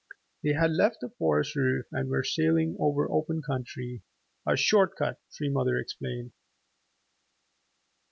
They had left the forest roof and were sailing over open country, a short cut, Tree Mother explained.